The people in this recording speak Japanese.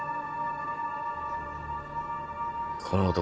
この男